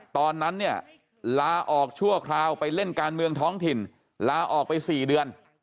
ตอนนั้นเนี่ยลาออกชั่วคราวไปเล่นการเมืองท้องถิ่นลาออกไป๔เดือน